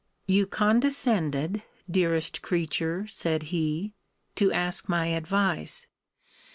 You condescended, dearest creature, said he, to ask my advice.